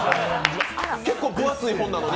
結構、分厚い本なのに！？